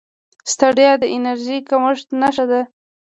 ستړیا د انرژۍ کمښت نښه ده